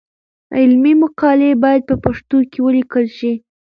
علمي مقالې باید په پښتو ولیکل شي.